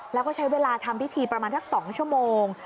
แล้วก็ใช้เวลาทำพิธีประมาณสัก๒ชั่วโมง